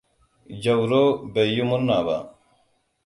Jauro bai yi murna ba.